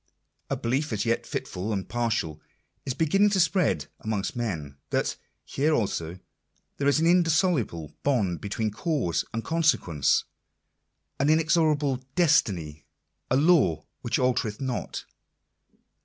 A belief, as yet fitful and partial, is beginning to spread amongst men, that here also there is an indissoluble bond between cause and con sequence, an inexorable destiny, a " law which altereth not."